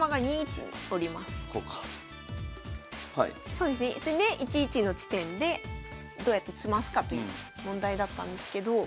そうですねで１一の地点でどうやって詰ますかという問題だったんですけど。